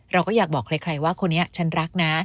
เราก็อยากบอกใครว่าคนนี้ฉันรักนะ